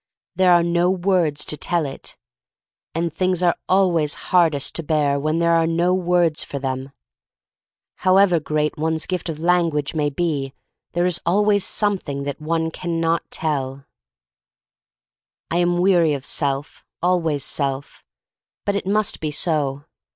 There are no words to tell it. And things are always hardest to bear when there are no words for them. However great one's gift of language may be, there is always something that one can not tell. 128 THE STORY OF MARY MAC LANE I am weary of. self — always self. But it must be so.